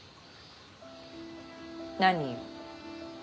何よ？